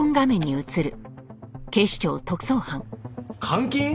監禁！？